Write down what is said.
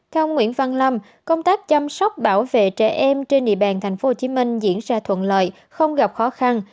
theo ông nguyễn văn lâm công tác chăm sóc bảo vệ trẻ em trên địa bàn tp hcm diễn ra thuận lợi không gặp khó khăn